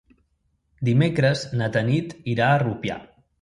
Dimecres na Tanit irà a Rupià.